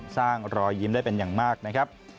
รอยยิ้มได้เป็นอย่างมากนะครับ